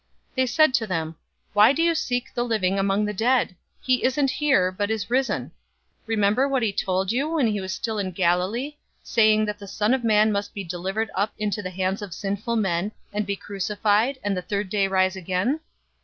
They said to them, "Why do you seek the living among the dead? 024:006 He isn't here, but is risen. Remember what he told you when he was still in Galilee, 024:007 saying that the Son of Man must be delivered up into the hands of sinful men, and be crucified, and the third day rise again?"